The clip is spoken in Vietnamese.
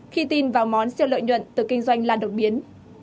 khi tin vào món siêu lợi nhuận từ kinh doanh là đột biến